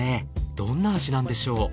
どんな味なんでしょう。